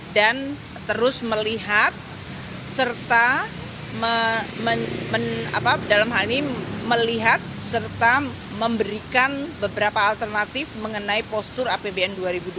dan terus melihat serta dalam hal ini melihat serta memberikan beberapa alternatif mengenai postur rapbn dua ribu dua puluh lima